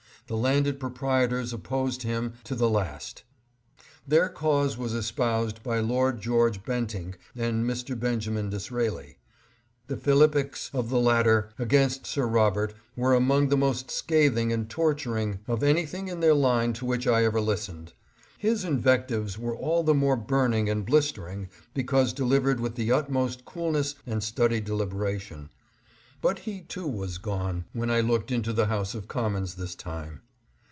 The landed proprietors opposed him to the last. Their cause was 676 CHANGES IN PARLIAMENT. espoused by Lord George Bentinck and Mr. Benjamin Disraeli. The philippics of the latter against Sir Rob ert were among the most scathing and torturing of any thing in their line to which I ever listened. His invec tives were all the more burning and blistering because delivered with the utmost coolness and studied delibera tion. But he too was gone when I looked into the House of Commons this time.